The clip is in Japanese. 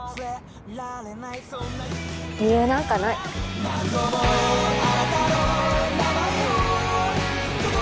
理由なんかないあ